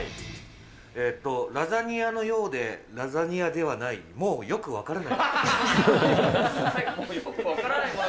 えっと、ラザニアのようで、ラザニアではない、もうよく分からないもの。